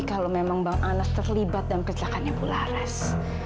kalau memang bang anas terlibat dalam kecelakannya bularas